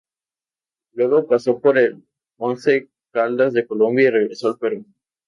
Luego pasó por el Once Caldas de Colombia y regresó al Perú.